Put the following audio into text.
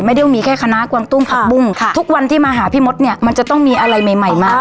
ไม่ได้มีแค่คณะกวางตุ้งผักบุ้งค่ะทุกวันที่มาหาพี่มดเนี่ยมันจะต้องมีอะไรใหม่ใหม่มา